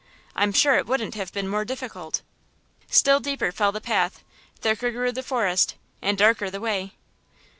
I'm sure it wouldn't have been more difficult." Still deeper fell the path, thicker grew the forest and darker the way.